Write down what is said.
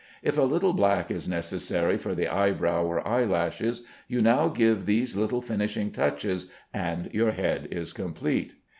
If a little black is necessary for the eyebrow or eyelashes, you now give these little finishing touches, and your head is complete.